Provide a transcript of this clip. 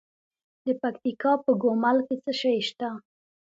د پکتیکا په ګومل کې څه شی شته؟